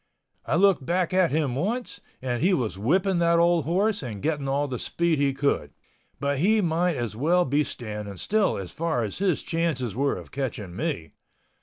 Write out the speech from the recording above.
I looked back at him once and he was whipping that old horse and getting all the speed he could. But he might as well be standing still as far as his chances were of catching me.